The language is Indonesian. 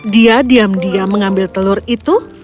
dia diam diam mengambil telur itu